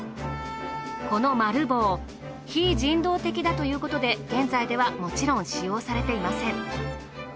このマル房非人道的だということで現在ではもちろん使用されていません。